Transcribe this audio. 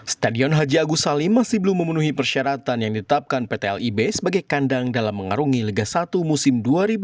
stadion haji agus salim masih belum memenuhi persyaratan yang ditetapkan pt lib sebagai kandang dalam mengarungi liga satu musim dua ribu dua puluh